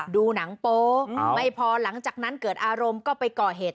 ดูหนังโป๊ไม่พอหลังจากนั้นเกิดอารมณ์ก็ไปก่อเหตุ